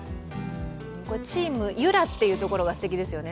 チームゆらというところがすてきですよね。